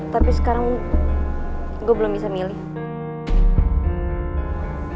tapi sekarang gue belum bisa milih